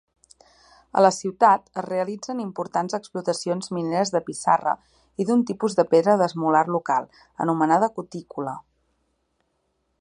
A la ciutat es realitzen importants explotacions mineres de pissarra i d'un tipus de pedra d'esmolar local, anomenada cotícula.